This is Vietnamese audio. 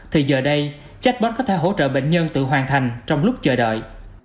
thì giờ đây chatbot có thể hỗ trợ bệnh nhân tự hoàn thành trong lúc chờ đợi